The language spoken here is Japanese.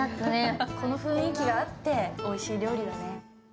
この雰囲気があって、おいしい料理だね。